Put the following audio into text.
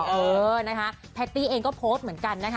เออนะคะแพตตี้เองก็โพสต์เหมือนกันนะคะ